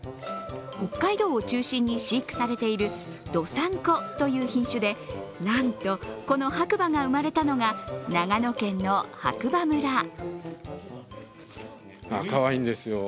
北海道を中心に飼育されている道産子という品種でなんと、この白馬が生まれたのが長野県の白馬村。